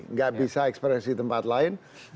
nggak bisa ekspresi tempat lain